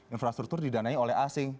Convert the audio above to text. infrastruktur didanai oleh asing